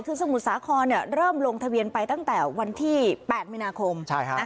คือสมุทรสาครเริ่มลงทะเบียนไปตั้งแต่วันที่๘มีนาคม